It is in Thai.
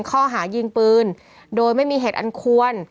ข้อหายิงปืนโดยไม่มีเหตุอันควร